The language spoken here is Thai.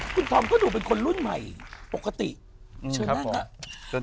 คุณธอมก็ดูเป็นคนรุ่นใหม่ปกติเชิญแม่งครับ